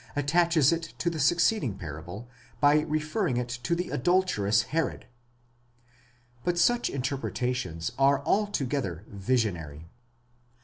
attaches it to the succeeding parable by referring it to the adulterous Herod: but such interpretations are altogether visionary.